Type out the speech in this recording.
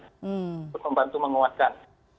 untuk membantu menguatkan